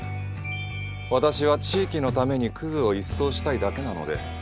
私は地域のためにクズを一掃したいだけなので。